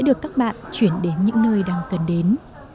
được các bạn chuyển đến những nơi đang cần đến